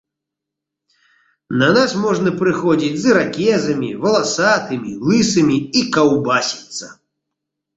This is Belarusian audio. На нас можна прыходзіць з іракезамі, валасатымі, лысымі і каўбасіцца.